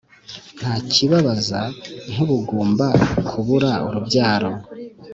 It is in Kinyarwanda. ntakibabaza nk ubugumba kubura urubyaro